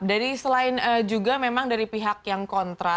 jadi selain juga memang dari pihak yang kontra